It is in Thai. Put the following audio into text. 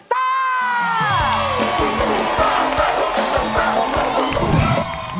ซ่าซ่าซ่าซ่าซ่าซ่าซ่าซ่าซ่าซ่าซ่าซ่า